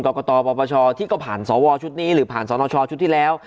กตปปชที่ก็ผ่านสวชุดนี้หรือผ่านสนชชุดที่แล้ว